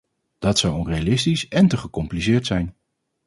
Dat zou onrealistisch en te gecompliceerd zijn.